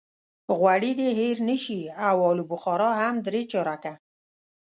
غوړي دې هېر نه شي او الوبخارا هم درې چارکه.